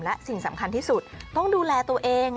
และสิ่งสำคัญที่สุดต้องดูแลตัวเอง